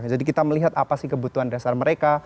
kita melihat apa sih kebutuhan dasar mereka